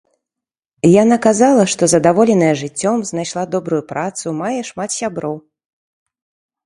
Яна казала, што задаволеная жыццём, знайшла добрую працу, мае шмат сяброў.